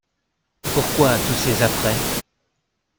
Pourquoi tous ces apprêts ?